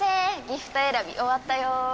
ギフト選び終わったよ！